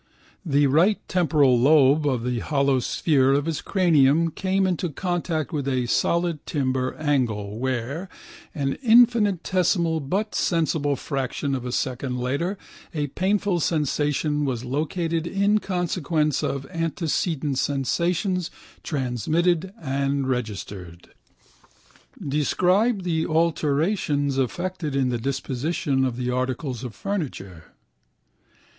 The right temporal lobe of the hollow sphere of his cranium came into contact with a solid timber angle where, an infinitesimal but sensible fraction of a second later, a painful sensation was located in consequence of antecedent sensations transmitted and registered. Describe the alterations effected in the disposition of the articles of furniture.